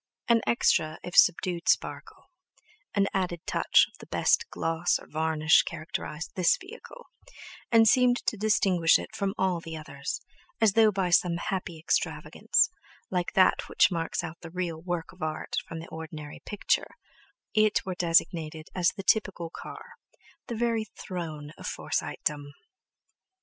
An extra, if subdued, sparkle, an added touch of the best gloss or varnish characterized this vehicle, and seemed to distinguish it from all the others, as though by some happy extravagance—like that which marks out the real "work of art" from the ordinary "picture"—it were designated as the typical car, the very throne of Forsytedom.